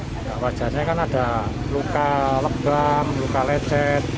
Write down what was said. tidak wajarnya kan ada luka lebam luka ledak